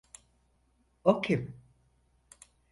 O kim?